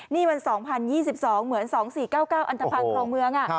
นี่มัน๒๐๒๒เหมือน๒๔๙๙อันทภาครองเมือง